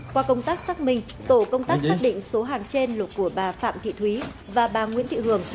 qua công tác xác minh tổ công tác xác định số hàng trên lục của bà phạm thị thúy và bà nguyễn thị hường